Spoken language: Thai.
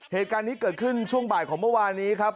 เหตุการณ์นี้เกิดขึ้นช่วงบ่ายของเมื่อวานนี้ครับ